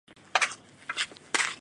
顺天府乡试第五十三名。